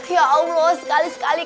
ya allah sekali sekali